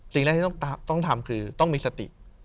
สิ่งแรกที่ต้องทำคือต้องมีสติ